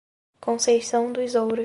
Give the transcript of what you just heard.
Conceição dos Ouros